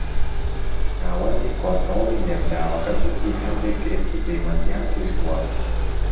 ناوەندی کۆنتڕۆڵی نێردراوەکە گوتی هەندێک گرفتی پەیوەندییان تووش بووە